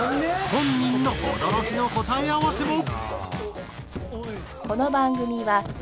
本人の驚きの答え合わせも。